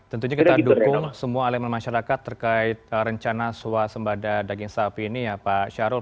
tentunya kita dukung semua elemen masyarakat terkait rencana suasembada daging sapi ini ya pak syarul